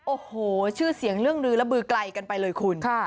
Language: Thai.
โอ้โหชื่อเสียงเรื่องรือและบือไกลกันไปเลยคุณ